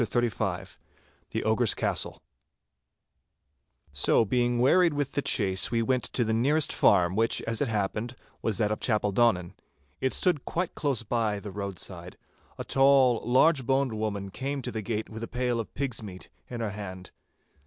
"' *CHAPTER XXXV* *THE OGRE'S CASTLE* So being wearied with the chase we went to the nearest farm, which, as it happened, was that of Chapeldonnan. It stood quite close by the roadside. A tall, large boned woman came to the gate with a pail of pigs' meat in her hand.